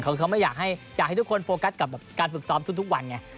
เขาไม่อยากให้ทุกคนโฟกัสกับการฝึกซ้อมทุกวันไง